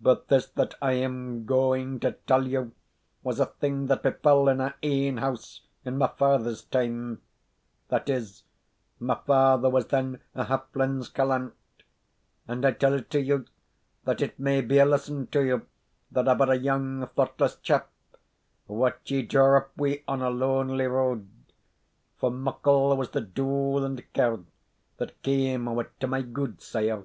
But this that I am going to tell you was a thing that befell in our ain house in my father's time that is, my father was then a hafflins callant; and I tell it to you, that it may be a lesson to you that are but a young thoughtless chap, wha ye draw up wi' on a lonely road; for muckle was the dool and care that came o' 't to my gudesire."